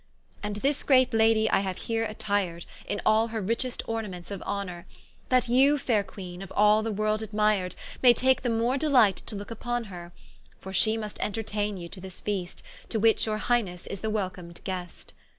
And this great Lady I haue here attired, In all her richest ornaments of Honour, That you faire Queene, of all the world admired, May take the more delight to looke vpon her: For she must entertaine you to this Feast, To which your Highnesse is the welcom'st guest.